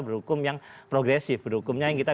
berhukum yang progresif berhukumnya yang kita